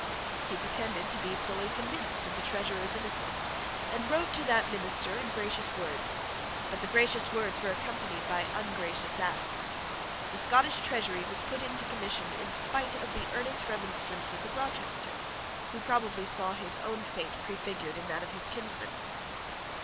He pretended to be fully convinced of the Treasurer's innocence, and wrote to that minister in gracious words; but the gracious words were accompanied by ungracious acts. The Scottish Treasury was put into commission in spite of the earnest remonstrances of Rochester, who probably saw his own fate prefigured in that of his kinsman.